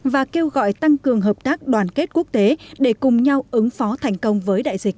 và kêu gọi tăng cường hợp tác đoàn kết quốc tế để cùng nhau ứng phó thành công với đại dịch